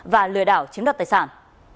và lừa đảo chiếm đoạt tài sản